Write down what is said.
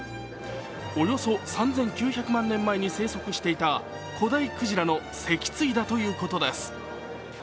およそ３９００万年前に生息していた古代クジラの脊椎だということです。